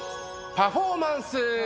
パフォーマンス。